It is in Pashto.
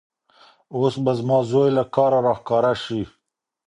اوس به زما زوی له کاره راښکاره شي.